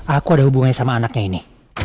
aku ada hubungannya sama anaknya ini